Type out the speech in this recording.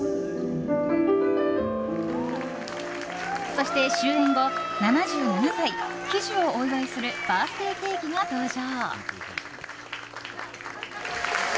そして終演後７７歳、喜寿をお祝いするバースデーケーキが登場！